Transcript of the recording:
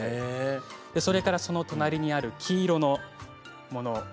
それから、その隣にある黄色のもの